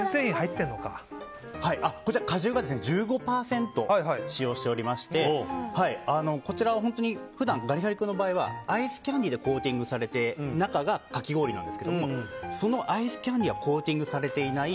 こちら果汁を１５％使用しておりましてこちらは普段ガリガリ君の場合はアイスキャンディーでコーティングされて中がかき氷なんですがそのアイスキャンディーはコーティングされていない